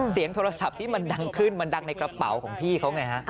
เสียงโทรศัพท์ที่มันดังขึ้นมันดังในกระเป๋าของพี่เขาไงฮะ